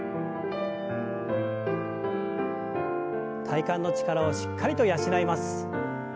体幹の力をしっかりと養います。